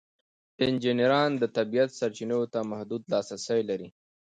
انجینران د طبیعت سرچینو ته محدود لاسرسی لري.